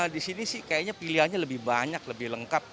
di sini sih kayaknya pilihannya lebih banyak lebih lengkap